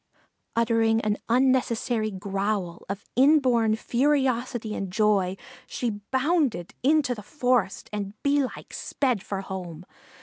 Uttering an unnecessary growl of inborn ferocity and joy she bounded into the forest, and bee like sped for home.